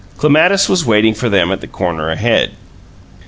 Clematis was waiting for them at the corner ahead.